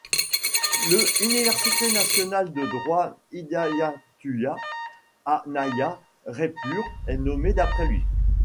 Le Université national de Droit Hidayatullah à Naya Raipur est nommé d'après lui.